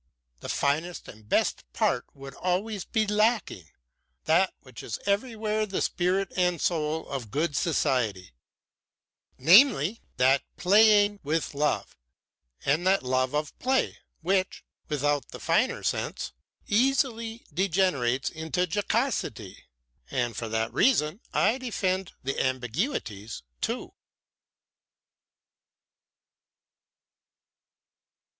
The finest and best part would always be lacking that which is everywhere the spirit and soul of good society namely, that playing with love and that love of play which, without the finer sense, easily degenerates into jocosity. And for that reason I defend the ambiguities too."